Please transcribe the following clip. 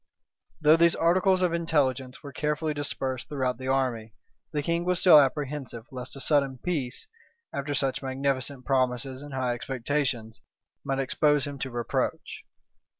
Though these articles of intelligence were carefully dispersed throughout the army, the king was still apprehensive lest a sudden peace, after such magnificent promises and high expectations, might expose him to reproach.